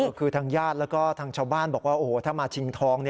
คือทางญาติแล้วก็ทางชาวบ้านบอกว่าโอ้โหถ้ามาชิงทอง